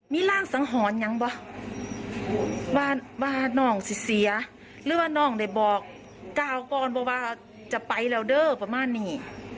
มีร่างสังหรณ์ยังป่ะว่าน้องจะเสียหรือว่าน้องได้บอกก้าวก่อนว่าจะไปแล้วเด้อประมาณนี้